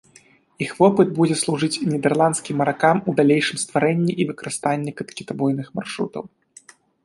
Іх вопыт будзе служыць нідэрландскім маракам у далейшым стварэнні і выкарыстанні кітабойных маршрутаў.